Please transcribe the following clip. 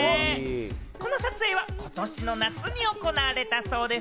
この撮影はことしの夏に行われたそうです。